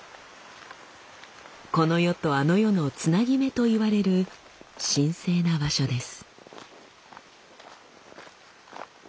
この世とあの世のつなぎ目といわれる神聖な場所です。